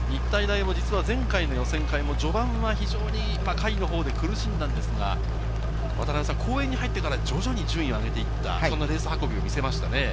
日体大も前回の予選会は序盤は非常に下位の方で苦しんだんですが、公園に入ってから徐々に順位を上げていった、そんなレース運びを見せましたね。